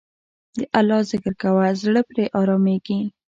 د الله ذکر کوه، زړه پرې آرامیږي.